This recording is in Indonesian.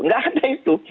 nggak ada itu